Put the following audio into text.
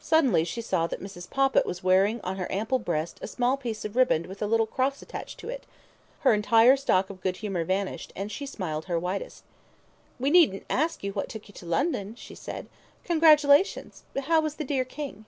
Suddenly she saw that Mrs. Poppit was wearing on her ample breast a small piece of riband with a little cross attached to it. Her entire stock of good humour vanished, and she smiled her widest. "We needn't ask what took you to London," she said. "Congratulations! How was the dear King?"